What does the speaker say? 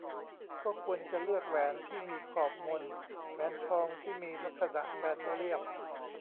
ก็ควรจะเลือกแหวนที่มีขอบมน แหวนทองที่มีลักษณะแบนเรียบ